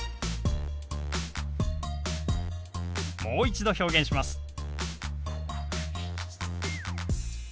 もう一度表現します。